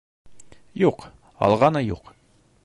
— Юҡ, алғаны юҡ.